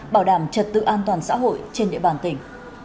bảo đảm trật tự an toàn xã hội trên địa bàn tỉnh